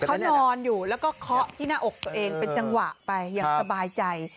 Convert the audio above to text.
เขานอนอยู่แล้วก็เคาะที่หน้าอกตัวเองเป็นจังหวะไปอย่างสบายใจ